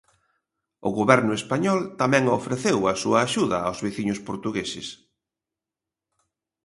O Goberno español tamén ofreceu a súa axuda aos veciños portugueses.